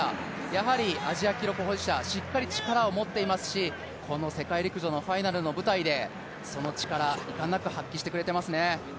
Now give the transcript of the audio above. やはりアジア記録保持者、しっかり力を持っていますし、この世界陸上のファイナルの舞台でその力、遺憾なく発揮してくれていますね。